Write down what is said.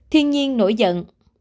tiên nhiên nổi giận